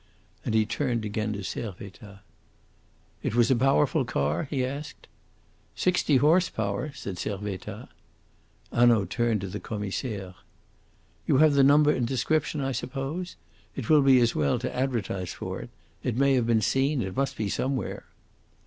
And he turned again to Servettaz. "It was a powerful car?" he asked. "Sixty horse power," said Servettaz. Hanaud turned to the Commissaire. "You have the number and description, I suppose? It will be as well to advertise for it. It may have been seen; it must be somewhere."